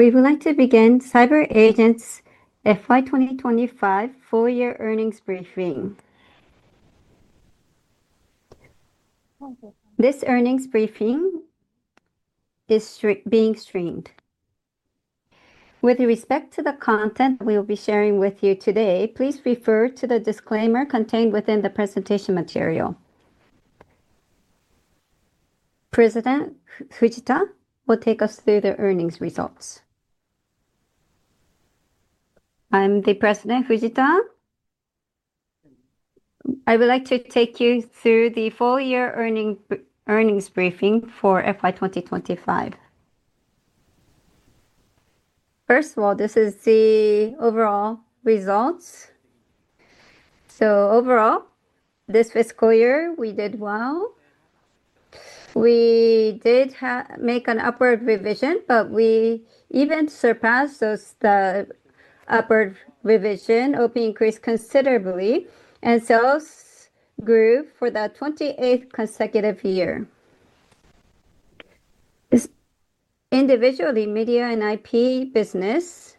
We would like to begin CyberAgent's FY 2025 four-year earnings briefing. This earnings briefing is being streamed. With respect to the content we will be sharing with you today, please refer to the disclaimer contained within the presentation material. President Fujita will take us through the earnings results. I'm President Fujita. I would like to take you through the four-year earnings briefing for FY 2025. First of all, this is the overall results. Overall, this fiscal year we did well. We did make an upward revision, but we even surpassed the upward revision. OP increased considerably, and sales grew for the 28th consecutive year. Individually, media and IP business,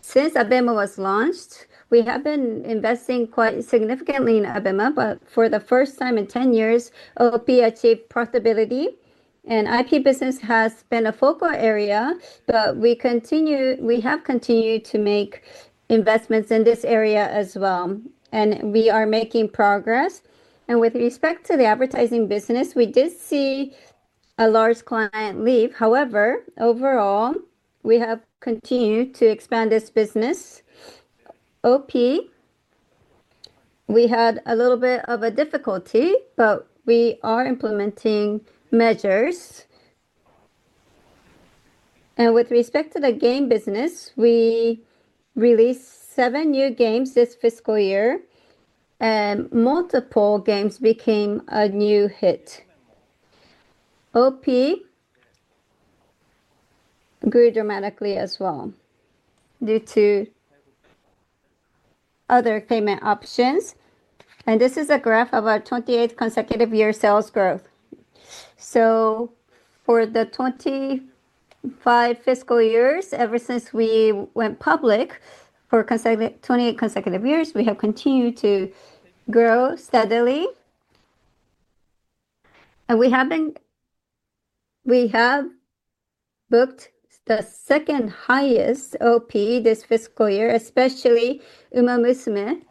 since ABEMA was launched, we have been investing quite significantly in ABEMA, but for the first time in 10 years, OP achieved profitability. IP business has been a focal area, but we have continued to make investments in this area as well, and we are making progress. With respect to the advertising business, we did see a large client leave. However, overall, we have continued to expand this business. OP, we had a little bit of a difficulty, but we are implementing measures. With respect to the game business, we released seven new games this fiscal year, and multiple games became a new hit. OP grew dramatically as well due to other payment options. This is a graph of our 28 consecutive year sales growth. For the 25 fiscal years, ever since we went public for 28 consecutive years, we have continued to grow steadily. We have booked the second highest OP this fiscal year, especially Umamusume,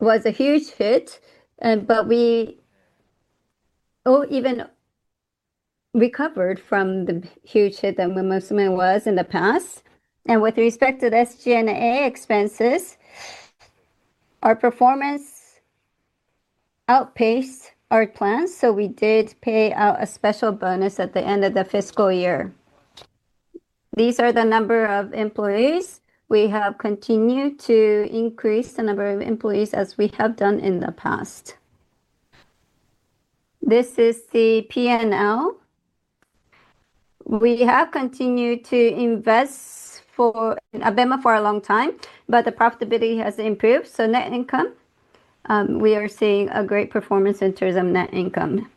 was a huge hit. We even recovered from the huge hit that Umamusume was in the past. With respect to SG&A expenses, our performance outpaced our plans, so we did pay out a special bonus at the end of the fiscal year. These are the number of employees. We have continued to increase the number of employees as we have done in the past. This is the P&L. We have continued to invest for ABEMA for a long time, but the profitability has improved. Net income, we are seeing a great performance in terms of net income.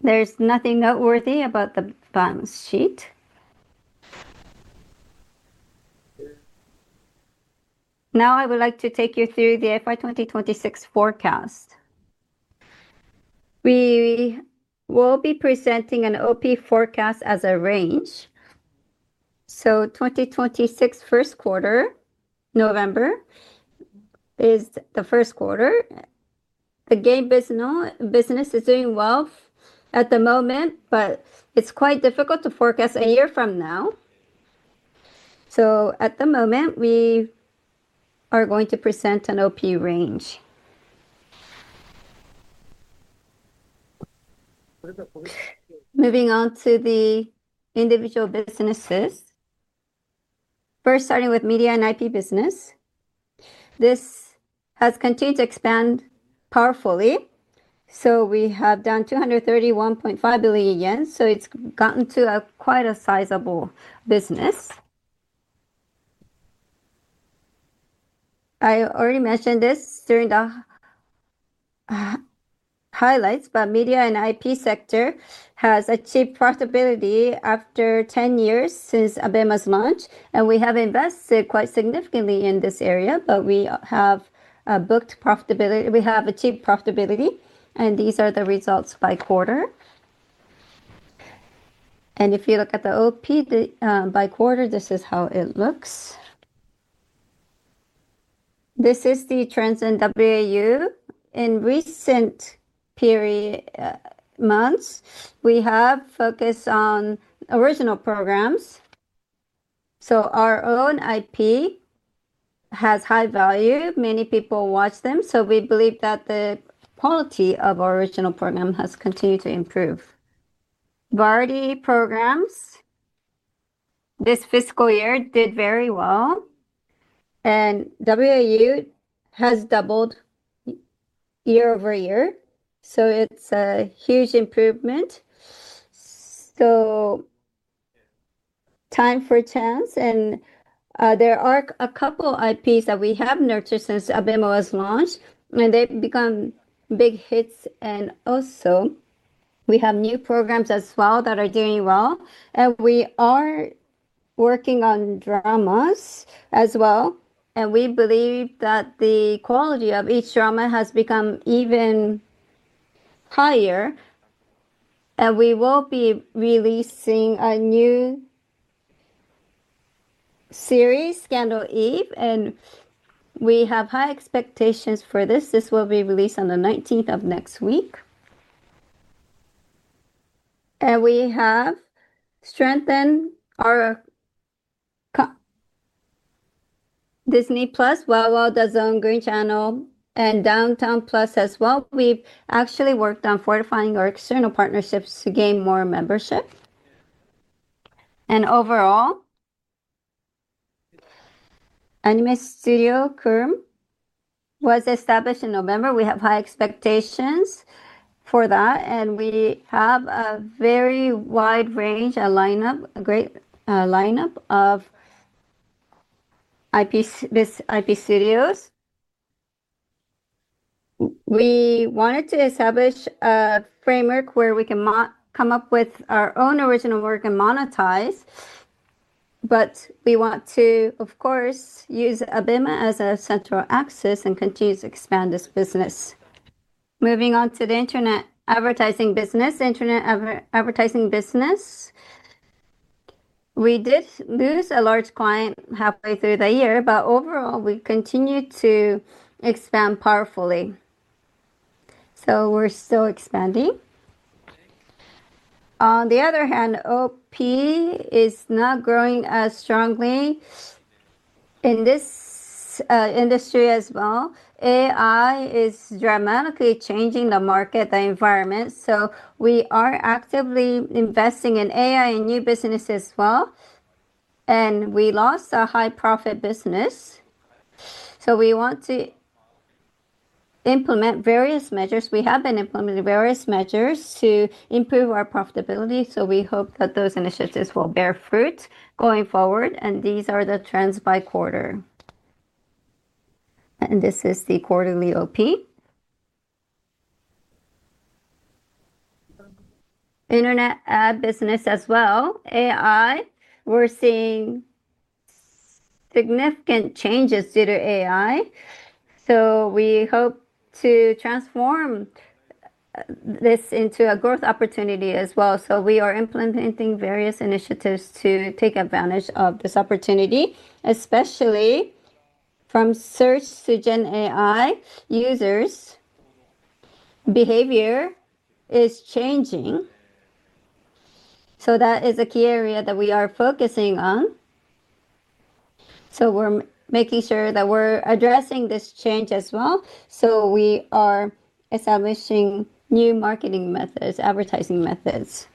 There is nothing noteworthy about the balance sheet. Now I would like to take you through the FY 2026 forecast. We will be presenting an OP forecast as a range. 2026 first quarter, November, is the first quarter. The game business is doing well at the moment, but it's quite difficult to fo recast a year from now. At the moment, we are going to present an OP range. Moving on to the individual businesses. First, starting with media and IP business. This has continued to expand powerfully. We have done 231.5 billion yen, so it's gotten to quite a sizable business. I already mentioned this during the highlights, but media and IP sector has achieved profitability after 10 years since ABEMA's launch, and we have invested quite significantly in this area, but we have achieved profitability. These are the results by quarter. If you look at the OP by quarter, this is how it looks. This is the trends in WAU. In recent months, we have focused on original programs. Our own IP has high value. Many people watch them, so we believe that the quality of our original program has continued to improve. Variety programs, this fiscal year did very well, and WAU has doubled year-over-year, so it's a huge improvement. Time for chance, and there are a couple of IPs that we have nurtured since ABEMA was launched, and they've become big hits. Also, we have new programs as well that are doing well. We are working on dramas as well, and we believe that the quality of each drama has become even higher. We will be releasing a new series, Scandal Eve, and we have high expectations for this. This will be released on the 19th of next week. We have strengthened our Disney Plus, WOWOW, DAZN, Green Channel, and Downtown Plus as well. We've actually worked on fortifying our external partnerships to gain more membership. Overall, Anime Studio KURM was established in November. We have high expectations for that, and we have a very wide range, a great lineup of IP studios. We wanted to establish a framework where we can come up with our own original work and monetize, but we want to, of course, use ABEMA as a central axis and continue to expand this business. Moving on to the internet advertising business. We did lose a large client halfway through the year, but overall, we continue to expand powerfully. We are still expanding. On the other hand, OP is not growing as strongly in this industry as well. AI is dramatically changing the market, the environment. We are actively investing in AI and new business as well. We lost a high-profit business. We want to implement various measures. We have been implementing various measures to improve our profitability. We hope that those initiatives will bear fruit going forward. These are the trends by quarter. This is the quarterly OP. Internet ad business as well. AI, we're seeing significant changes due to AI. We hope to transform this into a growth opportunity as well. We are implementing various initiatives to take advantage of this opportunity, especially from search to Gen AI users. Behavior is changing. That is a key area that we are focusing on. We're making sure that we're addressing this change as well. We are establishing new marketing methods, advertising methods.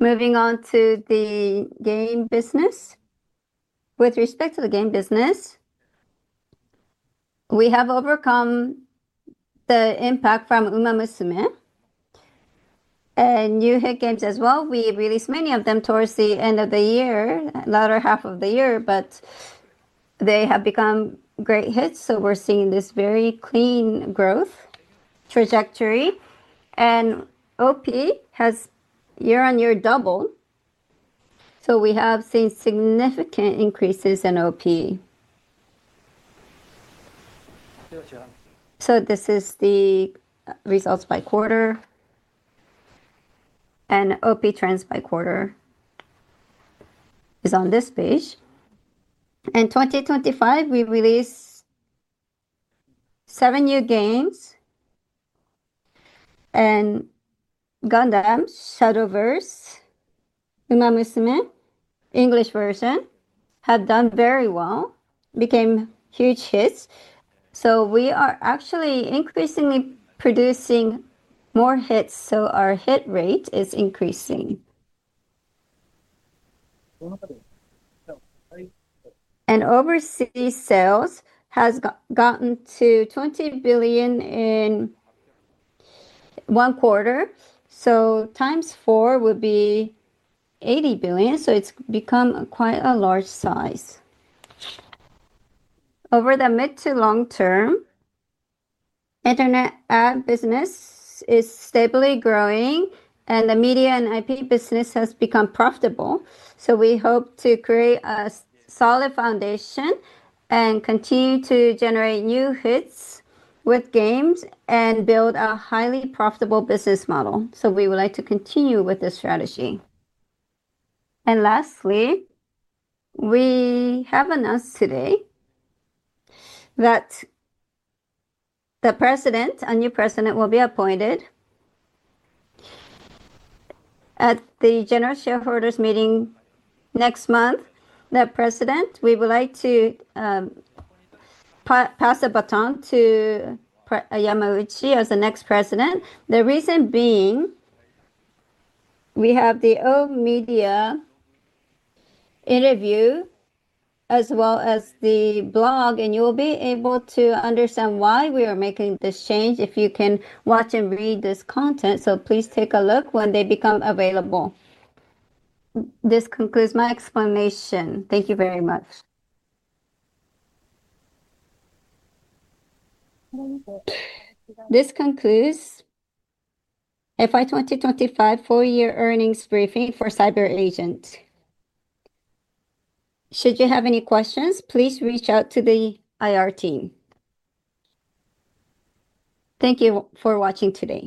Moving on to the game business. With respect to the game business, we have overcome the impact from Umamusume. And new hit games as well. We released many of them towards the end of the year, latter half of the year, but they have become great hits. We are seeing this very clean growth trajectory. OP has year-on-year doubled. We have seen significant increases in OP. This is the results by quarter. OP trends by quarter is on this page. In 2025, we released seven new games. Gundam Shadow Verse, Umamusume, English version have done very well, became huge hits. We are actually increasingly producing more hits. Our hit rate is increasing. Overseas sales has gotten to 20 billion in one quarter. Times four would be 80 billion. It has become quite a large size. Over the mid to long term, internet ad business is stably growing, and the media and IP business has become profitable. We hope to create a solid foundation and continue to generate new hits with games and build a highly profitable business model. We would like to continue with this strategy. Lastly, we have announced today that the president, a new president, will be appointed at the General Shareholders' Meeting next month. That president, we would like to pass a baton to Yamauchi as the next president. The reason being, we have the OMedia interview as well as the blog, and you will be able to understand why we are making this change if you can watch and read this content. Please take a look when they become available. This concludes my explanation. Thank you very much. This concludes FY 2025 four-year earnings briefing for CyberAgent. Should you have any questions, please reach out to the IR team. Thank you for watching today.